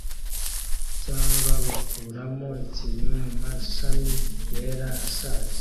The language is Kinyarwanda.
cyangwa bakuramo ikintu mumashami yera ashaje